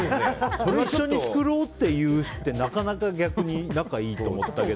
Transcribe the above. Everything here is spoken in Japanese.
これ一緒に作ろうっていうってなかなか仲良いと思ったけど。